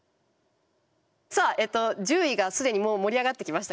さあ１０位が既にもう盛り上がってきましたけれど。